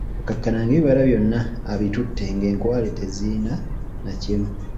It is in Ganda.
Okukkakkana ng'ebibala byonna abitutte ng'enkwale tezirina na kimu.